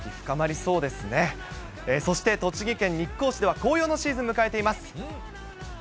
そして、栃木県日光市では、紅葉のシーズン、迎えています。